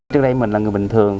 trước đây mình là người bình thường